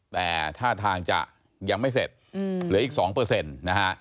แต่ท่าทางจะยังไม่เสร็จเหลืออีก๒นะฮะ